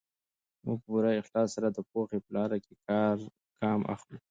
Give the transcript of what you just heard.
موږ په پوره اخلاص سره د پوهې په لاره کې ګام اخلو.